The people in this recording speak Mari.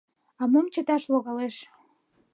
А мом чыташ логалеш?